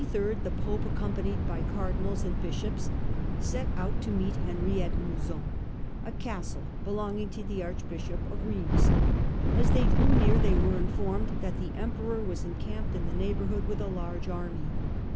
On the 23rd, the pope, accompanied by car dinals and bishops, set out to meet Henry at Mouzon, Conference * castlc belonging to the archbishop of raj^^at R^i^s. As they drew near they were informed Mouzon. ^^^ ^0 emperor was encamped in the neigh bourhood with a large army.